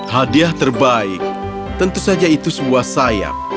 hadiah terbaik tentu saja itu sebuah sayap